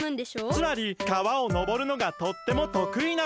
つまり川をのぼるのがとってもとくいなのだ。